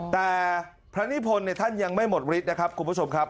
แต่พระนิพนธ์ท่านยังไม่หมดฤทธินะครับคุณผู้ชมครับ